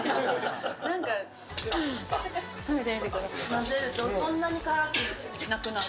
混ぜると、そんなに辛くなくなる。